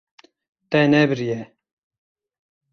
Te nebiriye.